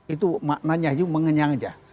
itu maknanya mengenyang aja